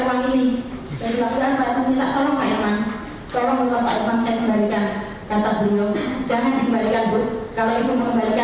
saya tidak berani cerita dengan keluarga saya saya tidak berani cerita dengan anak saya